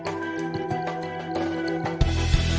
ก็ไม่น่าจะดังกึ่งนะ